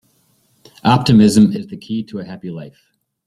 Optimism is the key to a happy life.